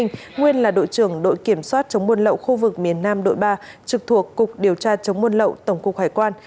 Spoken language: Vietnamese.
nguyên là đội trưởng đội kiểm soát chống buôn lậu khu vực miền nam đội ba trực thuộc cục điều tra chống buôn lậu tổng cục hải quan